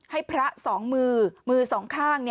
ให้พระสองมือมือมือสองข้าง